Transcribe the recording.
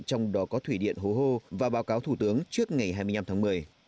trong đó có thủy điện hố hô và báo cáo thủ tướng trước ngày hai mươi năm tháng một mươi